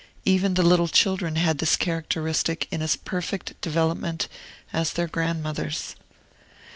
Even the little children had this characteristic in as perfect development as their grandmothers.